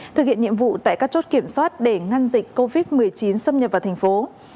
thực hiện nhiệm vụ tại các chốt kiểm soát để ngăn dịch covid một mươi chín xâm nhập vào thành phố